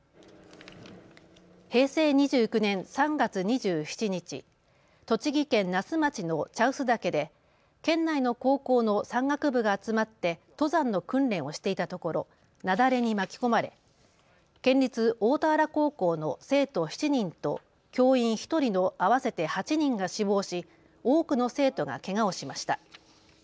平成２９年３月２７日、栃木県那須町の茶臼岳で県内の高校の山岳部が集まって登山の訓練をしていたところ雪崩に巻き込まれ県立大田原高校の生徒７人と教員１人の合わせて８人が死亡し多くの生徒がけがをしました。